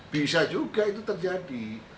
bisa juga itu terjadi